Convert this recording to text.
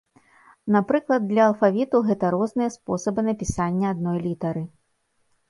Напрыклад для алфавіту гэта розныя спосабы напісання адной літары.